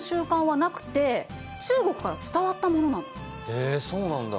へえそうなんだ！